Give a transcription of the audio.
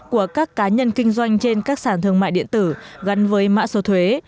của các cá nhân kinh doanh trên các sản thương mại điện tử gắn với mã số thuế